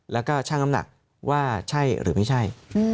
แล้วก็ช่างน้ำหนักว่าใช่หรือไม่ใช่